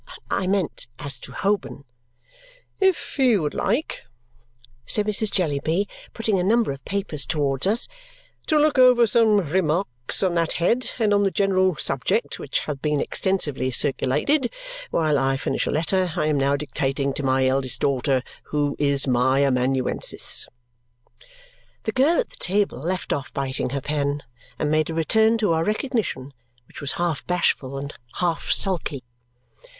I meant as to Holborn. "If you would like," said Mrs. Jellyby, putting a number of papers towards us, "to look over some remarks on that head, and on the general subject, which have been extensively circulated, while I finish a letter I am now dictating to my eldest daughter, who is my amanuensis " The girl at the table left off biting her pen and made a return to our recognition, which was half bashful and half sulky.